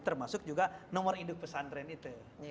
termasuk juga nomor induk pesan tren itu